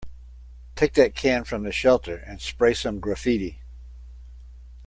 Take that can from the shelter and spray some graffiti.